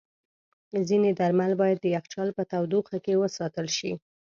ځینې درمل باید د یخچال په تودوخه کې وساتل شي.